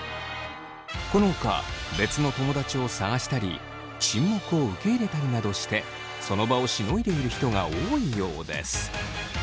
このほか別の友だちを探したり沈黙を受け入れたりなどしてその場をしのいでいる人が多いようです。